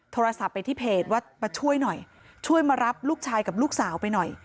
โทรศัพท์ไปที่เพจว่ามาช่วยหน่อยช่วยมารับลูกชายกับลูกสาวไปหน่อย